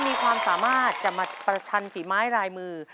มีความสามารถจะมาประชันฝีไม้ลายมือ